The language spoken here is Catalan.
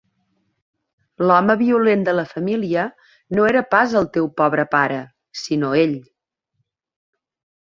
L'home violent de la família no era pas el teu pobre pare, sinó ell.